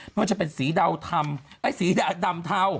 ไม่ว่าจะเป็นสีดาวทำสีดาวดำเทา